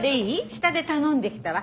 下で頼んできたわ。